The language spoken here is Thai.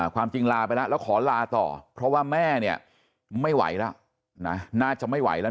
ความจริงลาไปแล้วแล้วขอลาต่อเพราะว่าแม่เนี่ยไม่ไหวแล้วนะน่าจะไม่ไหวแล้ว